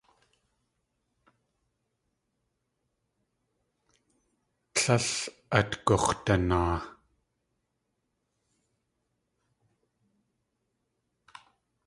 Tlél at gux̲danaa.